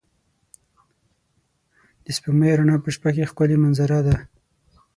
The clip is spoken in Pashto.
د سپوږمۍ رڼا په شپه کې ښکلی منظره ده.